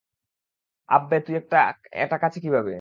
আব্বে, তুই এটা কাছে কিভাবে?